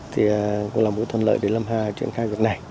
thì cũng là một thuận lợi để lâm hà triển khai việc này